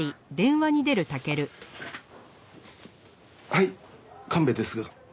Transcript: はい神戸ですが。